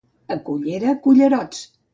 A Cullera, cullerots.